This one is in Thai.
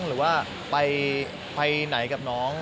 หรือว่าไปไหนกับน้อง